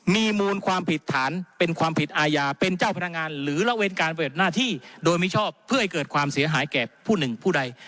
มีมูลความผิดฐานเป็นความผิดอาญาเป็นเจ้าพนักงานหรือละเว้นการปฏิบัติหน้าที่โดยมิชอบเพื่อให้เกิดความเสียหายแก่ผู้หนึ่งผู้ใด